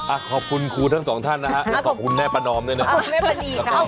อ่ะขอบคุณครูทั้งสองท่านนะฮะขอบคุณแม่ประนอมด้วยนะครับแล้วก็แม่ประดีครับ